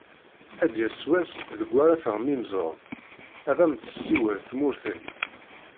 Ad d-yas wass deg ara termimzeḍ, ad am-d-tessiwel tmurt-im.